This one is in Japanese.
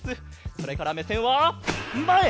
それからめせんはまえ！